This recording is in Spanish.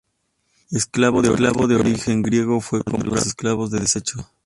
Esclavo de origen griego, fue comprado entre los esclavos de desecho.